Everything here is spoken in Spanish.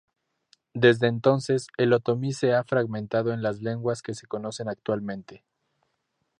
Desde entonces, el otomí se ha fragmentado en las lenguas que se conocen actualmente.